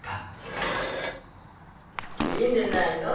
いいんでないの。